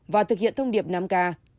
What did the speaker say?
và thực hiện thông điệp năm k